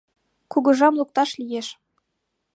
Кугыжам лукташ лиеш...